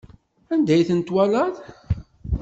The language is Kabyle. Anda ay tent-twalaḍ?